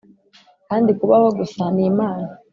kandi kubaho gusa ni imana